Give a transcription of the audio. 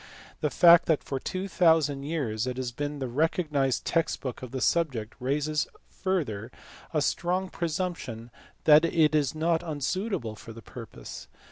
The fact that for two thousand years it has been the recognized text book on the subject raises further a strong presumption that it is not unsuitable for the purpose.